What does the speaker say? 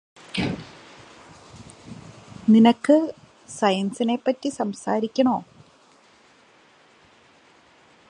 നിനക്ക് സയന്സിനെപ്പറ്റി സംസാരിക്കണോ